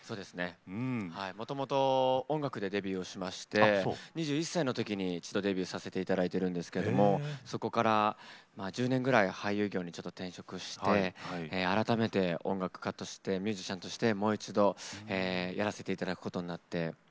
もともと音楽でデビューをしまして２１歳のときに一度、デビューさせていただいてるんですけどもそこから、１０年ぐらい俳優業に転職して、改めて音楽家としてミュージシャンとしてもう一度やらせていただくことになって。